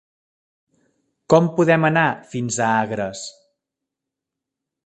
Com podem anar fins a Agres?